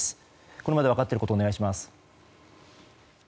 これまで分かっていることをお願いします。